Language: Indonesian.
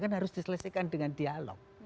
kan harus diselesaikan dengan dialog